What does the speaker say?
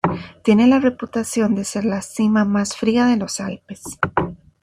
Tiene la reputación de ser la cima más fría de los Alpes.